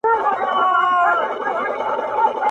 هېر ور څه مضمون دی او تفسیر خبري نه کوي,